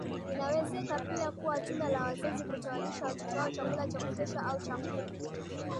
inawezeka pia kuwa tunda la wazazi kutowalisha watoto wao chakula cha kutosha au chakula